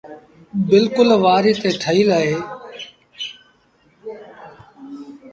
بلڪُل وآريٚ تي ٺهيٚل اهي۔